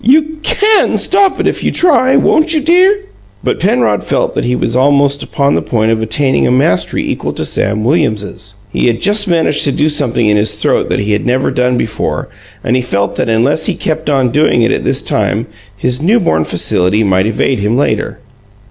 "You CAN stop it if you try. Won't you, dear?" But Penrod felt that he was almost upon the point of attaining a mastery equal to Sam Williams's. He had just managed to do something in his throat that he had never done before, and he felt that unless he kept on doing it at this time, his new born facility might evade him later.